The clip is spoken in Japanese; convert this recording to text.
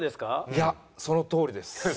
いやそのとおりです。